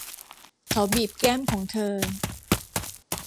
เขาบีบแก้มของเธอ